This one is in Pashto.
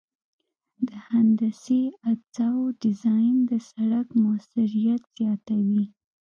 د هندسي اجزاوو ډیزاین د سرک موثریت زیاتوي